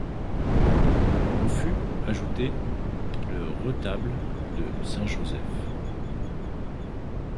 Au fut ajouté le retable de Saint Joseph.